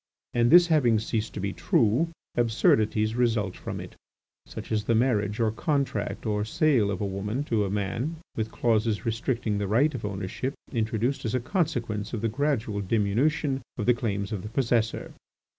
And this having ceased to be true, absurdities result from it, such as the marriage or contract of sale of a woman to a man, with clauses restricting the right of ownership introduced as a consequence of the gradual diminution of the claims of the possessor.